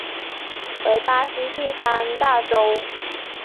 为巴西第三大州。